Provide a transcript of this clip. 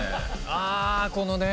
ああこのね